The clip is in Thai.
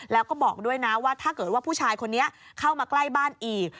แล้วก็บอกด้วยนะว่าถ้าเกิดว่าผู้ชายคนนี้เข้ามาใกล้บ้านอีก